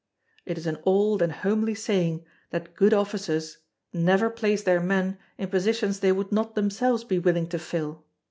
It is an old and homely saying that good officers never place their men in positions they would not themselves be willing to fill.